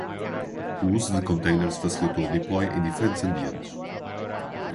O uso de containers facilitou o deploy em diferentes ambientes.